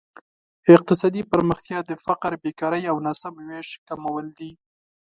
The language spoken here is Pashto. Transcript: اقتصادي پرمختیا د فقر، بېکارۍ او ناسم ویش کمول دي.